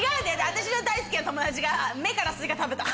私の大好きな友達が目からスイカ食べた。